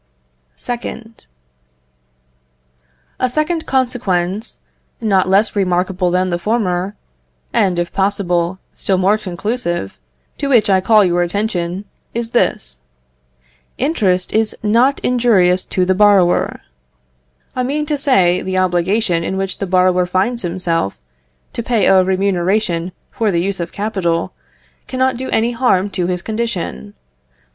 2nd. A second consequence, not less remarkable than the former, and, if possible, still more conclusive, to which I call your attention, is this: Interest is not injurious to the borrower. I mean to say, the obligation in which the borrower finds himself, to pay a remuneration for the use of capital, cannot do any harm to his condition.